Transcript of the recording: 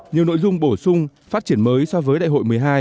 nhiều nội dung bổ sung phát triển mới so với đại hội một mươi hai